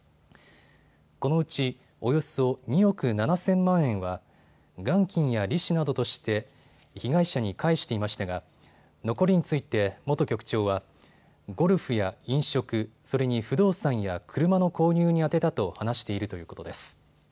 このうちおよそ２億７０００万円は元金や利子などとして被害者に返していましたが残りについて元局長はゴルフや飲食、それに不動産や車の購入に充てたと話しているということです。